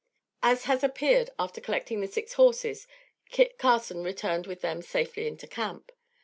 As has appeared, after collecting the six horses, Kit Carson returned with them safely into camp.